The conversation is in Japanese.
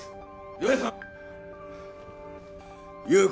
涼平さん！